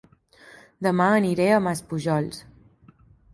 Dema aniré a Maspujols